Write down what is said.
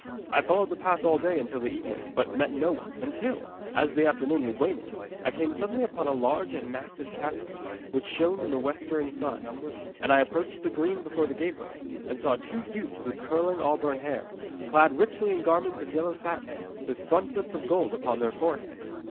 'I followed the path all day until the evening, but met no one, until, as the afternoon was waning, I came suddenly upon a large and massive castle, which shone in the westering sun. And I approached the green before the gateway, and saw two youths with curling auburn hair, clad richly in garments of yellow satin, with frontlets of gold upon their forehead.